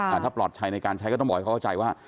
ถ้าปลอดภัยในการใช้ก็ต้องบอกให้เขาเข้าใจว่า